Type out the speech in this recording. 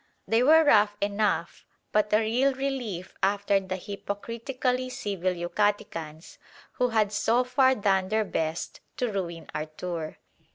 They were rough enough, but a real relief after the hypocritically civil Yucatecans, who had so far done their best to ruin our tour.